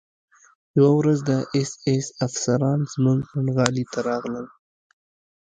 یوه ورځ د اېس ایس افسران زموږ پنډغالي ته راغلل